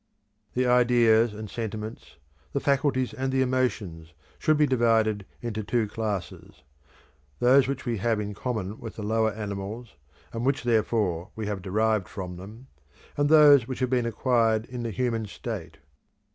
The ideas and sentiments, the faculties and the emotions, should be divided into two classes; those which we have in common with the lower animals, and which therefore we have derived from them; and those which have been acquired in the human state.